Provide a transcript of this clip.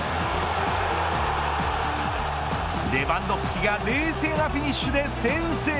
レヴァンドフスキが冷静なフィニッシュで先制。